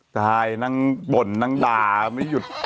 จ่ายนั่งบ่นนั่งดาไม่หยุด